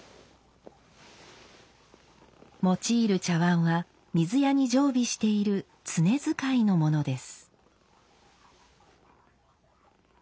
用いる茶碗は水屋に常備している「常使い」のものです。